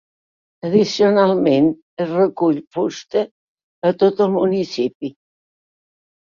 Addicionalment, es recull fusta a tot el municipi.